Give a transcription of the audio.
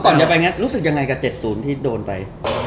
เอาต่ออย่างนี้รู้สึกยังไงกับ๗๐ที่โดนไป